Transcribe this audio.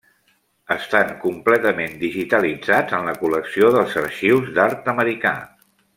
Estan completament digitalitzats en la col·lecció dels Arxius d’Art Americà.